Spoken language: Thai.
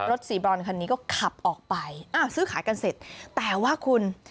สีบรอนคันนี้ก็ขับออกไปอ้าวซื้อขายกันเสร็จแต่ว่าคุณ